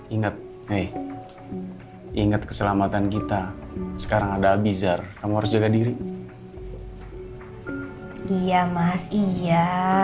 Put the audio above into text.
ingat eh inget keselamatan kita sekarang ada abizar kamu harus jaga diri iya mas iya